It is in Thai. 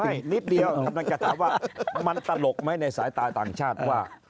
นี่นิดเดียวกำลังจะถามว่ามันตลกไหมในสายตาต่างชาติว่า